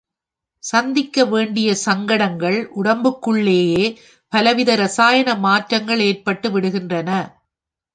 சந்திக்க வேண்டிய சங்கடங்கள் உடம்புக்குள்ளே பலவித இரசாயன மாற்றங்கள் ஏற்பட்டு விடுகின்றன.